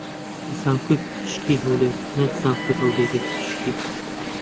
زانکۆی پزیشکیی هەولێر نەک زانکۆی هەولێری پزیشکی